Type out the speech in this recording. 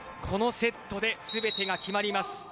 このセットで全てが決まります。